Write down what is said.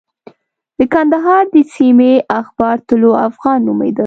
د کندهار د سیمې اخبار طلوع افغان نومېده.